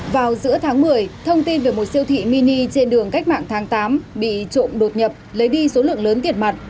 vào giữa tháng một mươi thông tin về một siêu thị mini trên đường cách mạng tháng tám bị trộm đột nhập lấy đi số lượng lớn tiền mặt